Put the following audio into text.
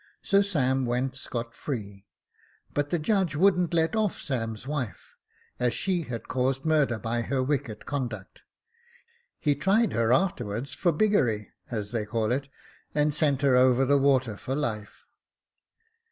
So Sam went scot free ; but the judge wouldn't let off Sam's wife, as she had caused murder by her wicked conduct ; he tried her a'terwards for biggery, as they call it, and sent her over the water for life.